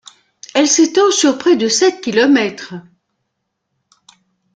Elle s'étend sur près de sept kilomètres.